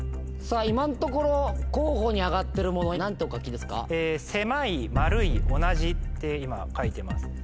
今のところ候補に挙がってるもの何てお書きですか？って今書いてます。